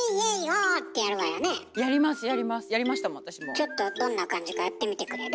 ちょっとどんな感じかやってみてくれる？